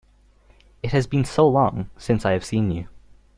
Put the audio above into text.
It has been so long since I have seen you!